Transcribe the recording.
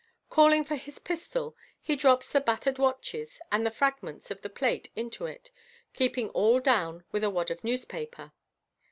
Oiling for his pistol, he drops the battered watches and the fragments of the plate into it, keeping all down with a wad of newspaper.